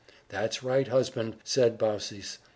"That's right, husband!" said Baucis.